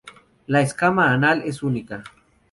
La escama anal es única.